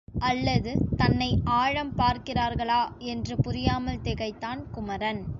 அல்லது தன்னை ஆழம் பார்க்கிறார்களா என்று புரியாமல் திகைத்தான் குமரன்.